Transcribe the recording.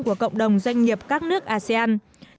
của cộng đồng doanh nghiệp các nước asean